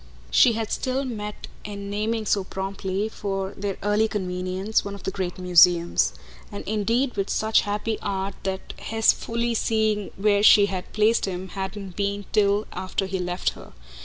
She had still met it in naming so promptly, for their early convenience, one of the great museums; and indeed with such happy art that his fully seeing where she had placed him hadn't been till after he left her.